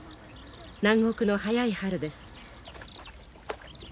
南国の早い春です。